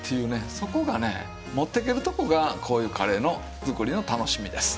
そこがね持っていけるとこがこういうカレー作りの楽しみです。